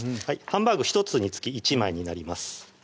ハンバーグ１つにつき１枚になります